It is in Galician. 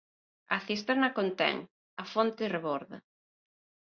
A cisterna contén; a fonte reborda.